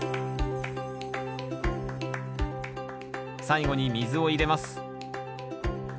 最後に水を入れます。